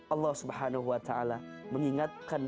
allah subhanahu wa ta'ala mengingatkan